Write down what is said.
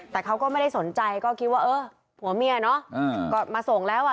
แต่เขาก็ไม่ได้สนใจก็คิดว่าเออผัวเมียเนอะก็มาส่งแล้วอ่ะ